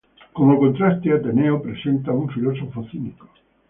Como contraste, Ateneo presenta a un filósofo cínico.